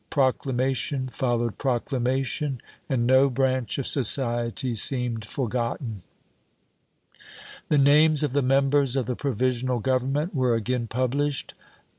Proclamation followed proclamation, and no branch of society seemed forgotten. The names of the members of the Provisional Government were again published.